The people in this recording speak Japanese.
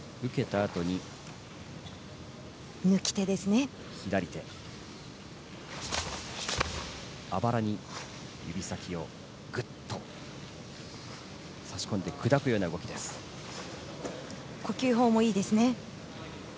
あばらに指先をぐっと差し込んで呼吸法もいいですね。